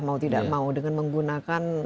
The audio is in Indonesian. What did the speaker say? mau tidak mau dengan menggunakan